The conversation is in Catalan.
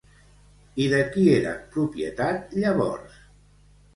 I de qui eren propietat llavors?